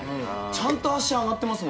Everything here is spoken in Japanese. ちゃんと脚上がってます